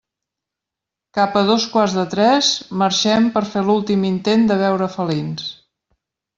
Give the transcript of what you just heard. Cap a dos quarts de tres, marxem per fer l'últim intent de veure felins.